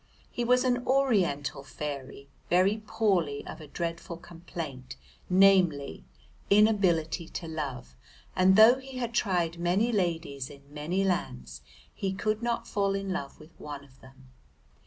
He was an Oriental fairy, very poorly of a dreadful complaint, namely, inability to love, and though he had tried many ladies in many lands he could not fall in love with one of them.